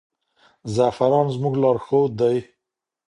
زعفران زموږ لارښود دی.